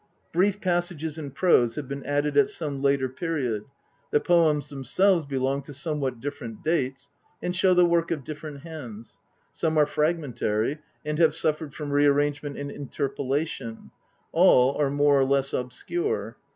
Brief passages in prose have been added at some later period ; the poems themselves belong to somewhat different dates, and show the work of different hands; some are fragmentary, and have suffered from re arrangement and interpolation ; all are more or less obscure.